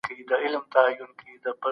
د وخت پاچا